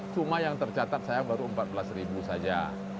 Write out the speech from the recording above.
cuma yang tercatat saya baru empat belas ribu saja